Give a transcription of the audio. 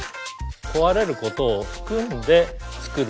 壊れることを含んで作る。